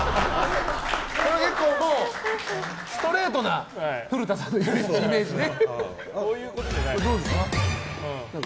これは結構ストレートな古田さんのイメージね。